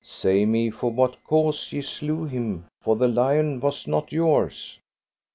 Say me for what cause ye slew him, for the lion was not yours.